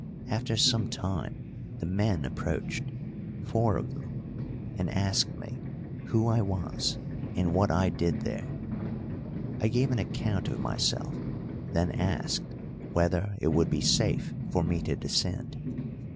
After some time the men approached four of them and asked me who I was and what I did there. I gave an account of myself, then asked whether it would be safe for me to descend.